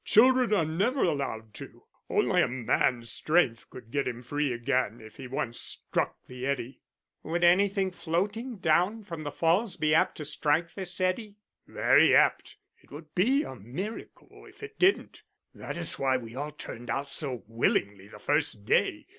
Children are never allowed to. Only a man's strength could get him free again if he once struck the eddy." "Would anything floating down from the falls be apt to strike this eddy?" "Very apt. It would be a miracle if it didn't. That is why we all turned out so willingly the first day.